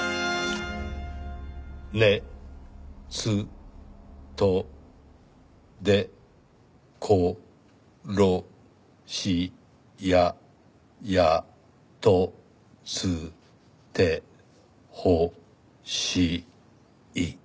「ねっとでころしややとってほしい」